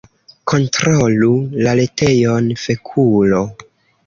"Kontrolu la retejon, fekulo"